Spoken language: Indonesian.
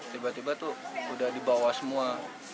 tiba tiba tuh udah dibawa semua